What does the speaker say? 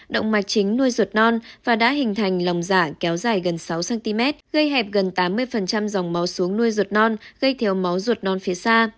động mạch chính nuôi ruột non và đã hình thành lòng giả kéo dài gần sáu cm gây hẹp gần tám mươi dòng máu xuống nuôi ruột non gây theo máu ruột non phía xa